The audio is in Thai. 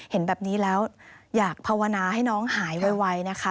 เห็นแบบนี้แล้วอยากภาวนาให้น้องหายไวนะคะ